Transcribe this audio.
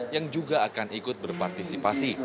yang juga akan ikut berpartisipasi